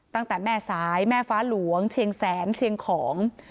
ตั้งแต่แม่สายแม่ฟ้าหลวงเชียงแสนเชียงของ